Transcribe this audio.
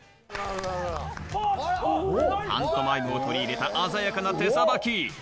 パントマイムを取り入れた鮮やかな手さばき。